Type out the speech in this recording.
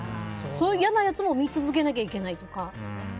そういう嫌なやつも見続けなきゃいけないとか。